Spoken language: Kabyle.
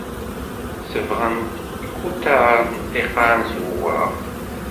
Sebɣent ikutar n ṭṭiqan s uwraɣ.